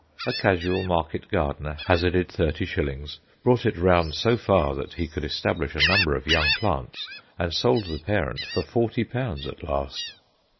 A casual market gardener hazarded thirty shillings, brought it round so far that he could establish a number of young plants, and sold the parent for forty pounds at last.